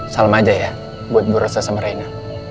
salam aja ya buat bu rossa sama reina